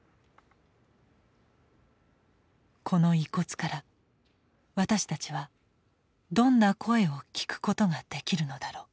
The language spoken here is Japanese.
この遺骨から私たちはどんな声を聞くことができるのだろう。